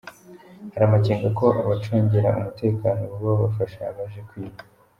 Hari amakenga ko abacungera umutekano boba bafasha abaje kwiba.